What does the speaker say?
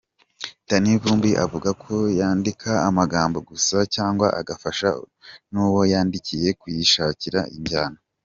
Danny Vumbi avuga ko yandika amagambo gusa cyangwa agafasha n’uwo yayandikiye kuyishakira injyana.